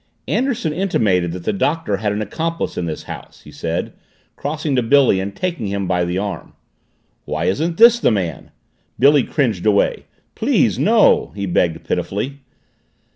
"Anderson intimated that the Doctor had an accomplice in this house," he said, crossing to Billy and taking him by the arm. "Why isn't this the man?" Billy cringed away. "Please, no," he begged pitifully.